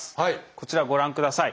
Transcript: こちらご覧ください。